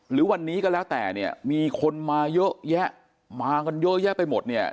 หรือวันนี้ก็แล้วแต่เนี่ยมีคนมาเยอะแยะมากันเยอะแยะไปหมดเนี่ย